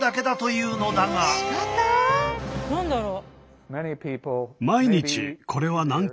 え何だろう？